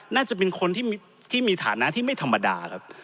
น่าจะเป็นคนที่มีฐานะที่ไม่ธรรมดาครับ